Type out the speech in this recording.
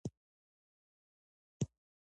رومیان له کور جوړو سره ښکلي ښکاري